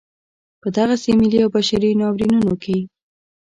په دغسې ملي او بشري ناورینونو کې.